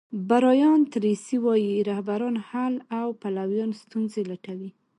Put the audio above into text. برایان تریسي وایي رهبران حل او پلویان ستونزې لټوي.